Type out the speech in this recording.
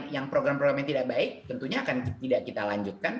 yang program program yang tidak baik tentunya akan tidak kita lanjutkan